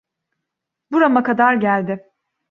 Burama kadar geldi.